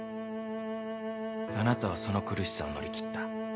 あなたはその苦しさを乗り切った。